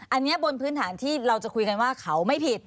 อันนี้บนพื้นฐานที่เราจะคุยกันว่าเขาไม่ผิด